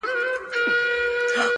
o بيا کرار .کرار د بت و خواته گوري.